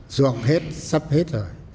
duọng hết sắp hết rồi